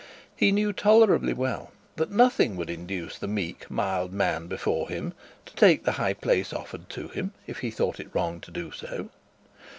He knew tolerably well that nothing would induce the meek, mild man before him to take the high place offered to him, if he thought it wrong to do so.